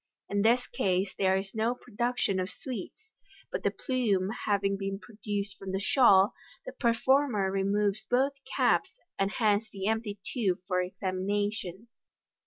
In this case, there is no production of sweets, but the plume having been produced from the shawl, the performer removes both caps, and hands the empty tube for examination.